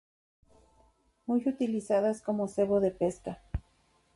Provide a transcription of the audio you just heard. Muy utilizadas como cebo de pesca.